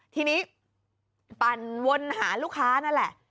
ทีนี้ปั่นวนหาลูกค้านั่นแหละ